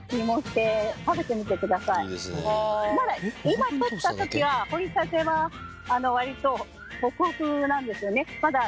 今とった時は掘りたては割とホクホクなんですよね。